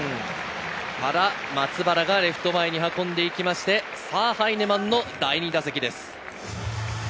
松原がレフト前に運んでいきまして、さぁ、ハイネマンの第２打席です。